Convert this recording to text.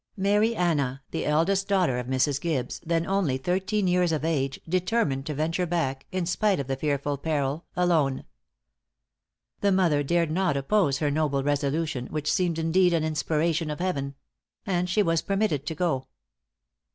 Mary Anna, the eldest daughter of Mrs. Gibbes then only thirteen years of age, determined to venture back in spite of the fearful peril alone. The mother dared not oppose her noble resolution, which seemed indeed an inspiration of heaven; and she was permitted to go.